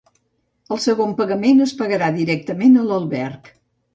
El segon pagament es pagarà directament a l'alberg.